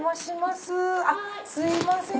すみません。